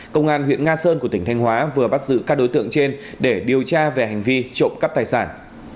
công an huyện nga sơn của tỉnh thanh hóa vừa bắt giữ các đối tượng trên để điều tra về hành vi trộm cắp tài sản